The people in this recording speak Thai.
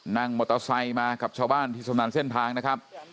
นั่งมอเตอร์ไซค์มากับชาวบ้านที่ชำนาญเส้นทางนะครับ